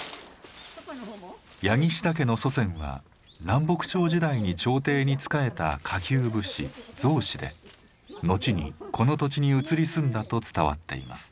柳下家の祖先は南北朝時代に朝廷に仕えた下級武士雑士で後にこの土地に移り住んだと伝わっています。